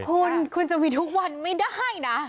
คุณคุณจะมีทุกวันไม่ได้นะ